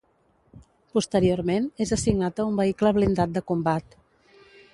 Posteriorment, és assignat a un vehicle blindat de combat.